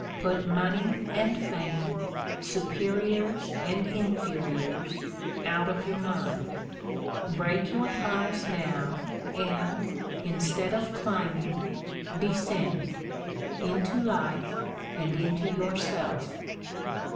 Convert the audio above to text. Put money and fame, superiors and inferiors, out of your mind. Break your ties now and, instead of climbing, descend — into life and into yourself."